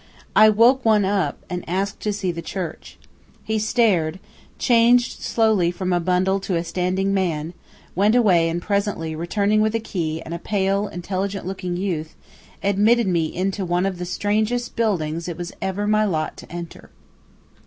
I woke one up, and asked to see the church. He stared, changed slowly from a bundle to a standing man, went away and presently, returning with a key and a pale, intelligent looking youth, admitted me into one of the strangest buildings it was ever my lot to enter.